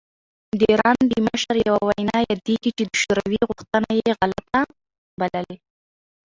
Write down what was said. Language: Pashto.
د ایران د مشر یوه وینا یادېږي چې د شوروي غوښتنه یې غلطه بللې.